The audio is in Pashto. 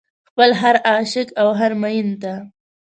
خپل هر عاشق او هر مين ته